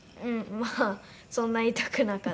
まあそんな痛くなかったです。